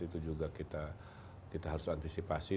itu juga kita harus antisipasi